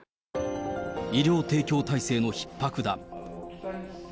医療提供体制のひっ迫だ。